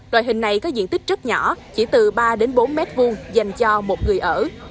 loại hình này có diện tích rất nhỏ chỉ từ ba bốn m hai dành cho một người ở